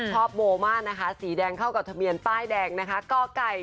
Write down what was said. โมมากนะคะสีแดงเข้ากับทะเบียนป้ายแดงนะคะกไก่